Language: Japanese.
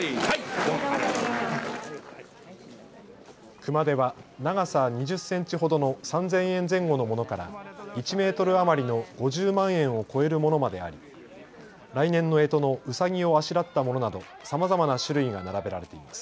熊手は長さ２０センチほどの３０００円前後のものから１メートル余りの５０万円を超えるものまであり来年のえとのうさぎをあしらったものなど、さまざまな種類が並べられています。